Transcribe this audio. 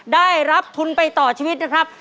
ได้รับทุนไปต่อชีวิตนะครับ